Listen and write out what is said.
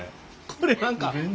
これ何か。